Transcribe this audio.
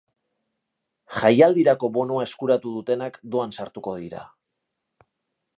Jaialdirako bonoa eskuratu dutenak doan sartuko dira.